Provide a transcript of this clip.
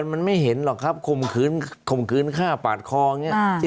มันไม่เห็นหรอกครับข่มขืนข่มขืนฆ่าปาดคออย่างนี้